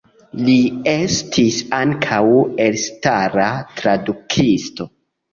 Li estis ankaŭ elstara tradukisto.